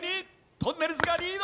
とんねるずがリード！